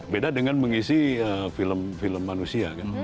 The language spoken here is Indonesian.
beda dengan mengisi film film manusia kan